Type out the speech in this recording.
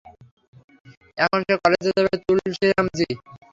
এখন সে কলেজে যাবে, তুলসিরাম জি।